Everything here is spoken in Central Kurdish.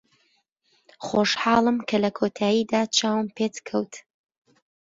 خۆشحاڵم کە لە کۆتاییدا چاوم پێت کەوت.